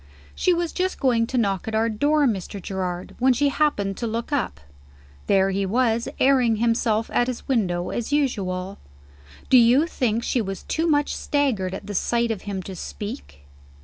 "She was just going to knock at our door, Mr. Gerard, when she happened to look up. There he was, airing himself at his window as usual. Do you think she was too much staggered at the sight of him to speak?